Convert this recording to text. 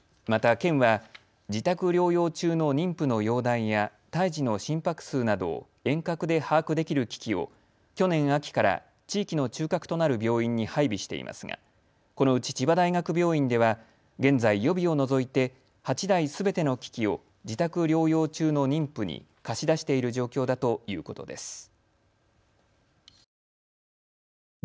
また県は自宅療養中の妊婦の容体や胎児の心拍数などを遠隔で把握できる機器を去年秋から地域の中核となる病院に配備していますがこのうち千葉大学病院では、現在、予備を除いて８台すべての機器を自宅療養中の妊婦に貸し出している状況だということです。